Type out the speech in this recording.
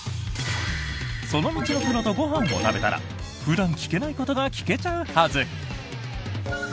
その道のプロとご飯を食べたら普段聞けないことが聞けちゃうはず。